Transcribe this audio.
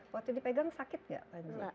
waktu dipegang sakit tidak panji